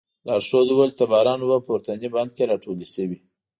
لارښود وویل چې د باران اوبه په پورتني بند کې راټولې شوې.